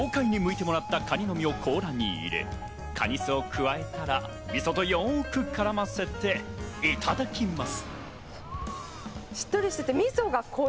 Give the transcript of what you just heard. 豪快に剥いてもらったかにの身を甲羅に入れ、かに酢を加えたら、みそとよく絡ませていただきます。